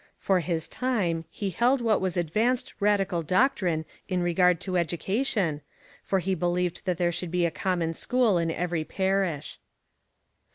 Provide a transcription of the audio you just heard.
For his time he held what was advanced radical doctrine in regard to education, for he believed that there should be a common school in every parish.